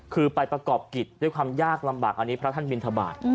คือไปประกอบกิจด้วยความยากลำบากอันนี้พระท่านบินทบาท